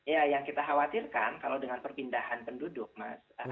ya yang kita khawatirkan kalau dengan perpindahan penduduk mas